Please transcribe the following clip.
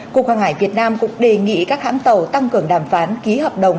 cục hàng hải việt nam cũng đề nghị các hãng tàu tăng cường đàm phán ký hợp đồng